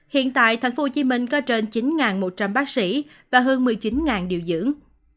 hiện tại thành phố hồ chí minh có trên chín một trăm linh bác sĩ và hơn một mươi chín điều dưỡng